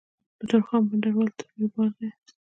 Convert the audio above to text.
د تورخم بندر ولې تل بیروبار وي؟